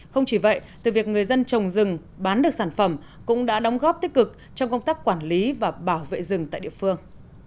không chỉ vậy từ việc người dân trồng rừng bán được sản phẩm cũng đã đóng góp tích cực trong công tác quản lý và bảo vệ rừng tại địa phương